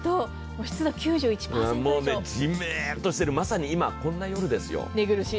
これはじめっとしてる、まさに今、こんな夜ですよ。